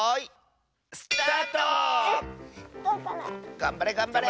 がんばれがんばれ！